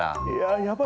やばいよ